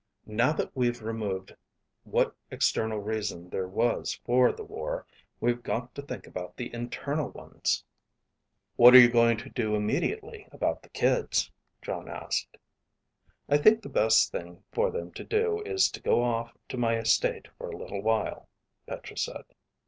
Now that we've removed what external reason there was for the war, we've got to think about the internal ones." "What are you going to do immediately about the kids?" Jon asked. "I think the best thing for them to do is to go off to my estate for a little while," Petra said.